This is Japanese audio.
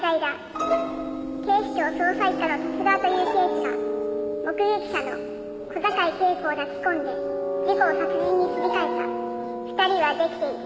「警視庁捜査一課の十津川という刑事が目撃者の小坂井恵子を抱き込んで事故を殺人にすり替えた」「２人は出来ている」